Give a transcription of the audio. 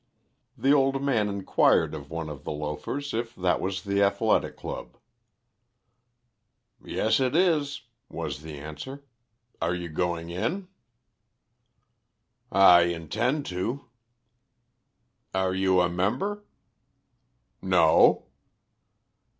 The old man inquired of one of the loafers if that was the Athletic Club. "Yes, it is," was the answer; "are you going in?" "I intend to." "Are you a member?" "No."